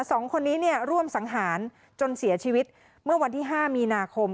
สองคนนี้เนี่ยร่วมสังหารจนเสียชีวิตเมื่อวันที่๕มีนาคม